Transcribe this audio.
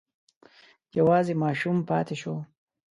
یوازې ماشوم پاتې شو.